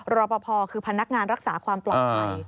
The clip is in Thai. รอปภคือพนักงานรักษาความปลอดภัย